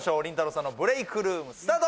さんのブレイクルームスタート！